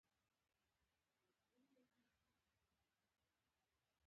که ته فکر وکړې یوه زمانه وه چې ته هیڅ نه وې.